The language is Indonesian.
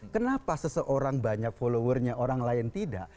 kenapa seseorang banyak followernya orang lain tidak